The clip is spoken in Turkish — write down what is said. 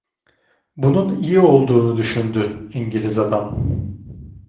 Bunun iyi olduğunu düşündü, İngiliz adam.